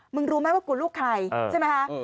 รู้ไหมว่ากูลูกใครใช่ไหมคะ